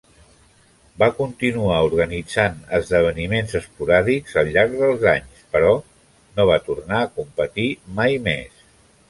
Va continuar organitzant esdeveniments esporàdics al llarg dels anys, però no va tornar a competir mai més.